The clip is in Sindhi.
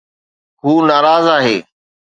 هو ناراض آهي